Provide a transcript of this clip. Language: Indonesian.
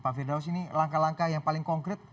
pak firdaus ini langkah langkah yang paling konkret